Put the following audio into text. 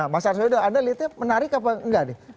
mas arswado anda lihatnya menarik apa enggak